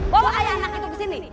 bawa ayah anak itu kesini